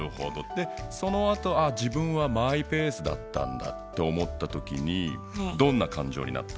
でそのあと「あ自分はマイペースだったんだ」って思ったときにどんなかんじょうになった？